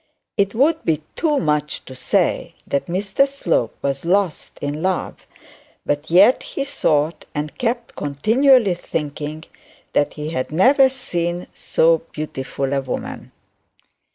It would be too much to say that Mr Slope was lost in love, but yet he thought, and kept continually thinking, that he had never seen so beautiful a woman.